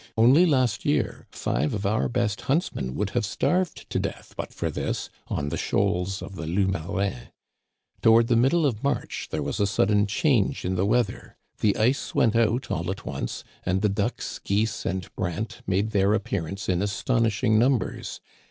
Only last year five of our best lyintsmen would have starved to death but for this on the shoals of the Loups Ma rins. Toward the middle of March there was a sudden change in the weather. The ice went out all at once and the ducks, geese, and brant made their appearance in astonishing numbers.